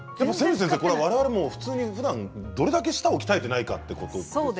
我々ふだんどれだけ舌を鍛えていないかということですね。